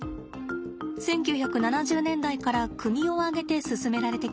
１９７０年代から国を挙げて進められてきました。